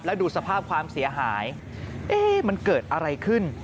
แล้วดูสภาพความเสียหายเอ๊ะมันเกิดอะไรขึ้น